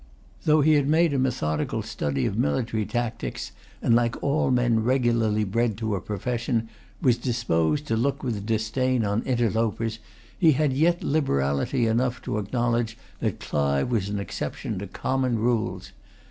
Though he had made a methodical study of military tactics, and, like all men regularly bred to a profession, was disposed to look with disdain on interlopers, he had yet liberality enough to acknowledge that Clive was an exception to common rules.